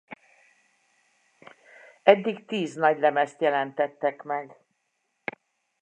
Eddig tíz nagylemezt jelentettek meg.